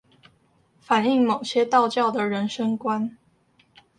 反映某些道教的人生觀